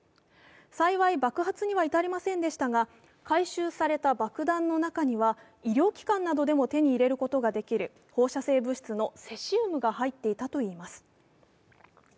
幸い爆発には至りませんでしたが、回収された爆弾の中には医療機関などでも手に入れることができる放射性物質のセシウムが入っていたといいます。